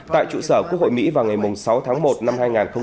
tại trụ sở quốc hội mỹ vào ngày sáu tháng một năm hai nghìn hai mươi